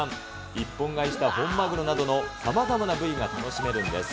一本買いした本マグロなどのさまざまな部位が楽しめるんです。